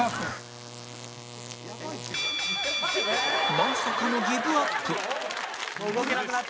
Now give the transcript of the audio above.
まさかのギブアップ